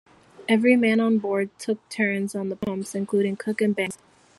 Every man on board took turns on the pumps, including Cook and Banks.